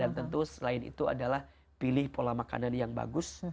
dan tentu selain itu adalah pilih pola makanan yang bagus